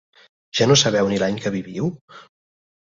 Ja no sabeu ni l'any que viviu?